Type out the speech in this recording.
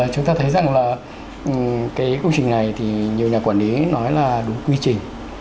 chúng ta thấy rằng là công trình này nhiều nhà quản lý nói là đúng quy trình